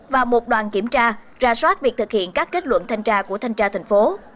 và một đoàn kiểm tra ra soát việc thực hiện các kết luận thanh tra của thanh tra thành phố